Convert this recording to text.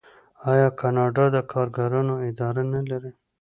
آیا کاناډا د کارګرانو اداره نلري؟